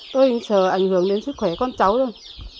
tôi không sợ ảnh hưởng đến sức khỏe con chó đâu